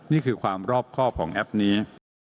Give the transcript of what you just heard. นี่คือความรอบครอบของแอปนี้